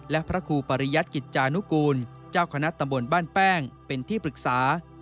และพระครูปริยัติกิจจานุกูลเจ้าคณะตำบลบ้านแป้งเป็นที่ปรึกษา